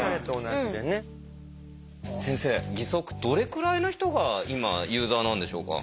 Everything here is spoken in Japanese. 先生義足どれくらいの人が今ユーザーなんでしょうか？